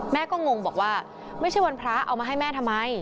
แม่ก็งงบอกว่าไม่ใช่วันพระเอามาให้แม่ทำไม